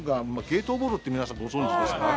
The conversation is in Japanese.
ゲートボールって皆さんご存じですか？